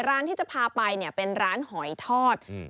ร้านที่จะพาไปเนี่ยเป็นร้านหอยทอดอืม